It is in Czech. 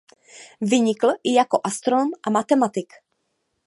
Vynikl i jako astronom a matematik.